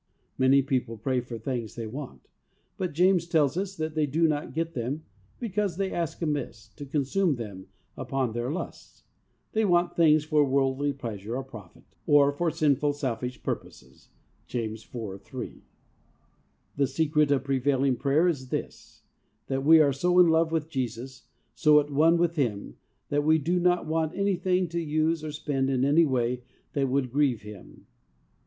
Many people pray for things they want ; but James tells us that they do not get them because they ask amiss, to consume them upon their lusts. They want things for worldly pleasure or profit, or for sinful, selfish purposes (James iv. 3). The secret of prevailing prayer is this ; that w'e are so in love with Jesus, so at one with Him, that we do not want anything to use or spend in any way that would grieve Him.